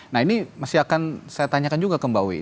nah ini masih akan saya tanyakan juga ke mbak wi